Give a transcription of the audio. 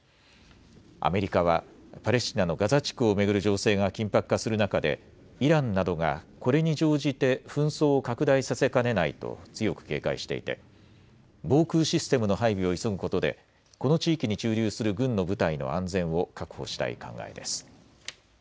アメリカはパレスチナのガザ地区を巡る情勢が緊迫化する中でイランなどがこれに乗じて紛争を拡大させかねないと強く警戒していて防空システムの配備を急ぐことでこの地域に駐留する軍の部隊の安全を確保したい考えです。